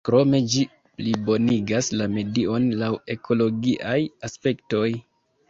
Krome ĝi plibonigas la medion laŭ ekologiaj aspektoj.